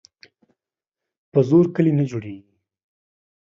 په زور کلي نه جوړیږي.